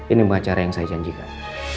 ini upacara yang saya janjikan